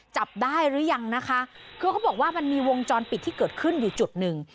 จับได้หรือยังนะคะคือเขาบอกว่ามันมีวงจรปิดที่เกิดขึ้นอยู่จุดหนึ่ง